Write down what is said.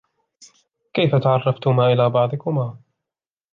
كيف تعرفتما إلى بعضكما ؟